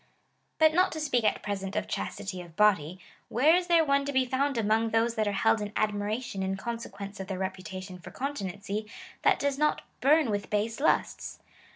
^ But not to speak at present of chastity of body, where is there one to be found among those that are held in admiration in consequence of their reputation for continency, that does not burn with base lusts